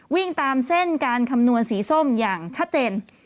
วิ่งตามเส้นการคำนวณสีส้มอย่างชัดเจน